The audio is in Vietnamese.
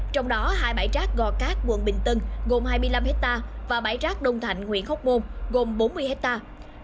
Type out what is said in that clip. trong đó hai bãi rác gò cát quận bình tân gồm hai mươi năm hectare và bãi rác đông thạnh huyện khốc môn gồm bốn mươi hectare